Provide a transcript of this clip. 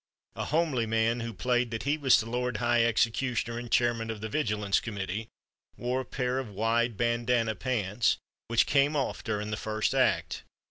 A homely man, who played that he was the lord high executioner and chairman of the vigilance committee, wore a pair of wide, bandana pants, which came off during the first act.